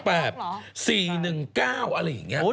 ๑๙๘๔๑๙อะไรอย่างงี้